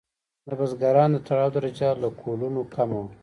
د بزګرانو د تړاو درجه له کولونو کمه وه.